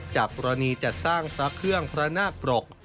จากกรณีจัดสร้างพระเครื่องพระนาคปรก